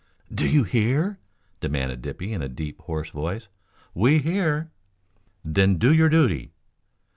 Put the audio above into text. "Do you hear?" demanded Dippy in a deep, hoarse voice. "We hear." "Then do your duty!"